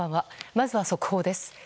まずは速報です。